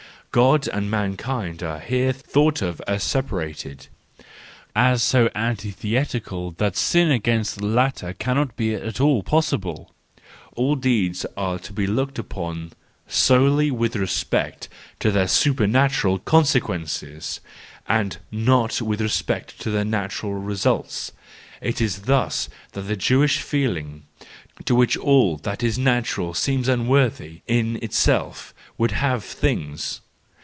God and mankind are here thought of as separated, as so antithetical that sin against the latter cannot be at all possible,—all deeds are to be looked upon solely with respect to their supernatural consequences , and not with respect to their natural results: it is thus that the Jewish feeling, to which all that is natural seems unworthy in itself, would have things.